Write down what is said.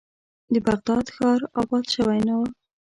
د بغداد ښار آباد شوی نه و.